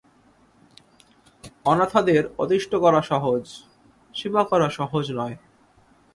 অনাথাদের অতিষ্ঠ করা সহজ, সেবা করা সহজ নয়।